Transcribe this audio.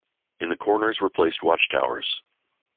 In the corners were placed watch towers.